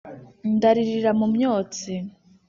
ndaririra mu myotsi